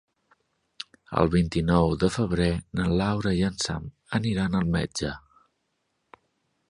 El vint-i-nou de febrer na Laura i en Sam aniran al metge.